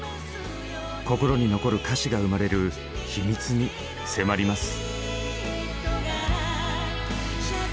心に残る歌詞が生まれる秘密に迫ります。